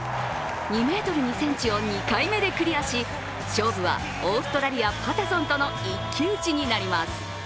２ｍ２ｃｍを２回目でクリアし勝負はオーストラリア・パタソンとの一騎打ちになります。